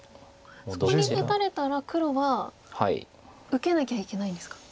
そこに打たれたら黒は受けなきゃいけないんですか。